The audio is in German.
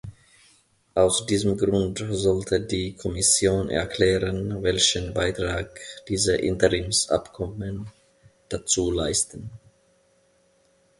Aus diesem Grund sollte die Kommission erklären, welchen Beitrag diese Interims-Abkommen dazu leisten.